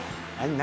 何？